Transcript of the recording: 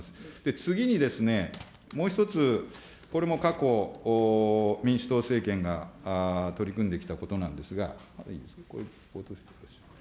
次にですね、もう１つ、これも過去、民主党政権が取り組んできたことなんですが。